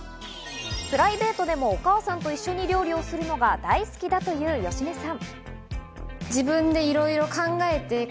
プライベートでもお母さんと一緒に料理をするのが大好きだという芳根さん。